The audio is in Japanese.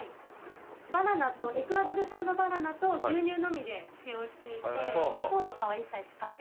バナナとエクアドル産のバナナと牛乳のみで使用していて砂糖とかは一切使ってないんですけど。